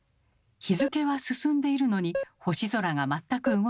日付は進んでいるのに星空が全く動きません。